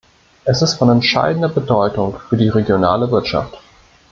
Er ist von entscheidender Bedeutung für die regionale Wirtschaft.